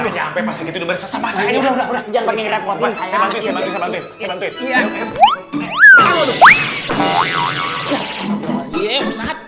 saya juga sampai pesik itu bersama saya udah udah udah benerin leonard